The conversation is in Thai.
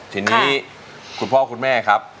ทีนี้คุณพ่อคุณแม่ครับ